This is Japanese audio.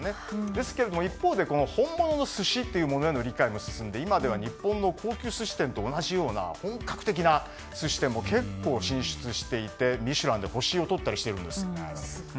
ですけれども、一方で本物の寿司というものへの理解も進んで今では日本の高級寿司店と同じような本格的な寿司店も結構進出していて「ミシュラン」で星をとったりしているんです。